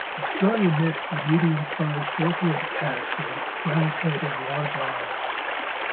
Australian Mists are medium-sized short-haired cats, with a round head and large eyes.